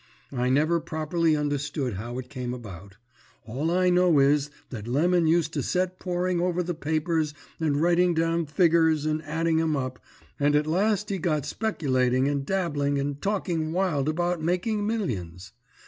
I never properly understood how it came about; all I know is that Lemon used to set poring over the papers and writing down figgers and adding 'em up, and that at last he got speculating and dabbling and talking wild about making millions.